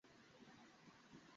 হ্যাঁ, বস।